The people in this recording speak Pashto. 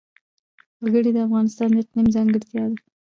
وګړي د افغانستان د اقلیم ځانګړتیا ده.